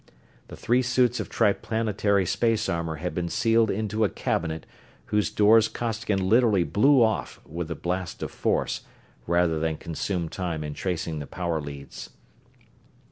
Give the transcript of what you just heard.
The three suits of Triplanetary space armor had been sealed into a cabinet whose doors Costigan literally blew off with a blast of force, rather than consume time in tracing the power leads.